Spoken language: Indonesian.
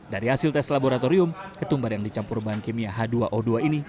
dari hasil tes laboratorium ketumbar yang dicampur bahan kimia h dua o dua ini